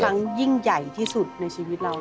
ยิ่งใหญ่ที่สุดในชีวิตเรา